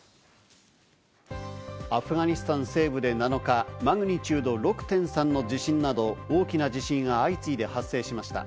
アフガニスタン西部で７日、マグニチュード６．３の地震など大きな地震が相次いで発生しました。